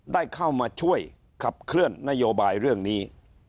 ได้เข้ามาช่วยขับเคลื่อนนโยบายเรื่องนี้